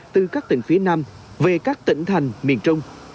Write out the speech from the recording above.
từ các tỉnh phía nam về các tỉnh thành miền trung